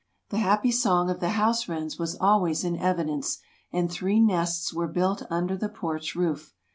The happy song of the house wrens was always in evidence and three nests were built under the porch roof.